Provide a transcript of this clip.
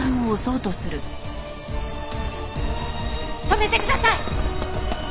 止めてください！